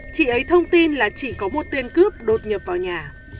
chị ấy thông tin là chỉ có một tên cướp đột nhập vào nhà